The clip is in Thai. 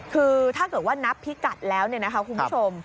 คือถ้าเกิดว่านับพิกัดแล้วคุณผู้ชม